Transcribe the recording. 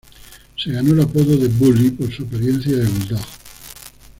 Se ganó el apodo de "Bully" por su apariencia de bulldog.